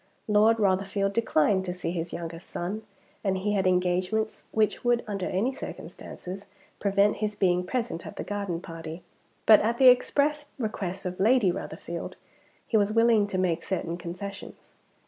Lord Rotherfield declined to see his youngest son; and he had engagements which would, under any circumstances, prevent his being present at the garden party. But at the express request of Lady Rotherfield, he was willing to make certain concessions.